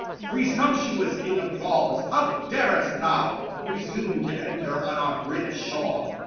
Presumptuous king of Gauls, how darest thou Presume to enter on our British shore